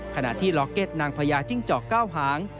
ขณะที่ล็อกเก็ตนางพญาจิ้งจอกเก้าหาง